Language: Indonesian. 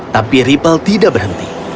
tapi ribble tidak berhenti